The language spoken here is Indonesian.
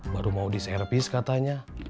baru mau diservis katanya